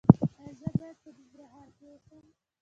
ایا زه باید په ننګرهار کې اوسم؟